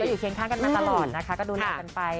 อยู่เคียงข้างกันมาตลอดนะคะก็ดูแลกันไป